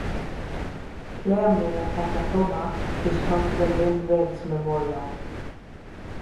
Claremore, Oklahoma is home to the Lynn Riggs Memorial.